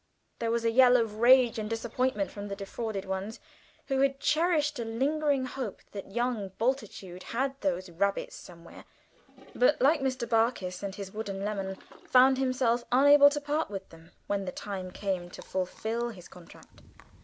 There was a yell of rage and disappointment from the defrauded ones, who had cherished a lingering hope that young Bultitude had those rabbits somewhere, but (like Mr. Barkis and his wooden lemon) found himself unable to part with them when the time came to fulfil his contract.